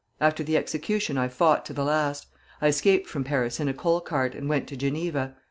After the execution I fought to the last. I escaped from Paris in a coal cart, and went to Geneva.